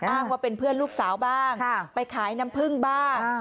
อ้างว่าเป็นเพื่อนลูกสาวบ้างไปขายน้ำผึ้งบ้าง